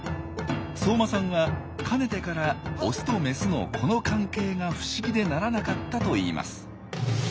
相馬さんはかねてからオスとメスのこの関係が不思議でならなかったと言います。